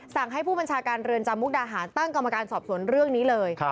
ให้ผู้บัญชาการเรือนจำมุกดาหารตั้งกรรมการสอบสวนเรื่องนี้เลย